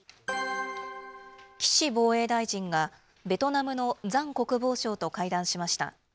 岸防衛大臣が、ベトナムのザン国防相と会談しました。